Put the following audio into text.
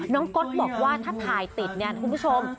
ก๊อตบอกว่าถ้าถ่ายติดเนี่ยคุณผู้ชม